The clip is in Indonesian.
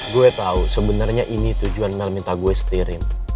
gue tahu sebenarnya ini tujuan mel minta gue setirin